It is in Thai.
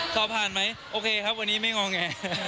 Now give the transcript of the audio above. เขาผ่านมั้ยตอนนี้ไม่ง้องแงง